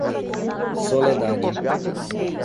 Soledade